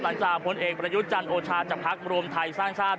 หลังจากพ้นเอกประยุจรรย์โอชาสจับพักรวมไทยสร้างศาสตร์